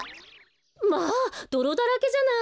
まあどろだらけじゃない。